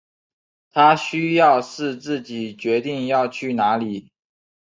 他需要是自己决定要去哪里